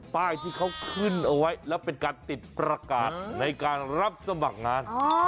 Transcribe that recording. ป้ายที่เขาขึ้นเอาไว้แล้วเป็นการติดประกาศในการรับสมัครงาน